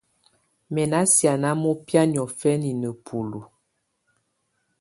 Mɛ́ ná siáná mɔbɛ̀á niɔ̀fɛnɛ nǝ́bulu.